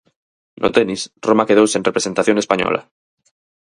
No tenis, Roma quedou sen representación española.